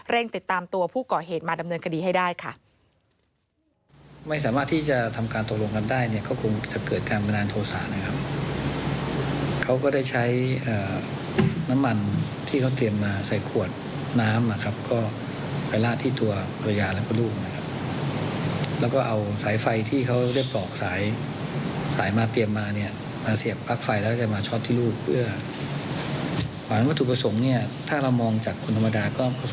ติดตามตัวผู้ก่อเหตุมาดำเนินคดีให้ได้ค่ะ